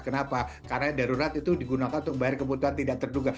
kenapa karena darurat itu digunakan untuk membayar kebutuhan tidak terduga